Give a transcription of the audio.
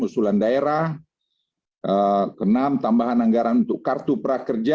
kedua bantuan sosial tambahan untuk enam sembilan juta kpm